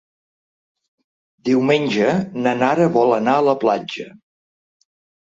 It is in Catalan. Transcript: Diumenge na Nara vol anar a la platja.